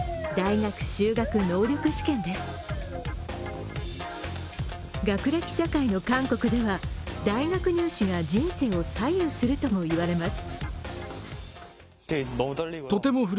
学歴社会の韓国では、大学入試が人生を左右するとも言われます。